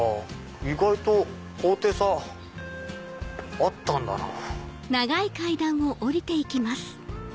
意外と高低差あったんだなぁ。